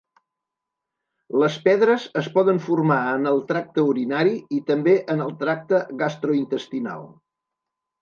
Les pedres es poden formar en el tracte urinari i també en el tracte gastrointestinal.